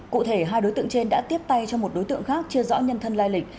cụ thể hai đối tượng trên đã tiếp tay cho một đối tượng khác chưa rõ nhân thân lai lịch